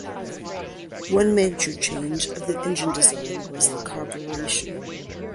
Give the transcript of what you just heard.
One major change of the engine design was the carburetion.